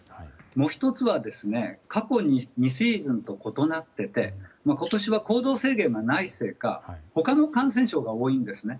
もう１つは過去に未成人と異なっていて今年は行動制限がないせいか他の感染症が多いんですね。